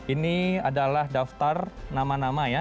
ini adalah daftar nama nama ya